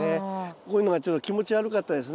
こういうのがちょっと気持ち悪かったらですね